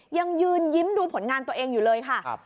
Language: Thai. ยังยืนยิ้มดูผลงานตัวเองอยู่เลยค่ะ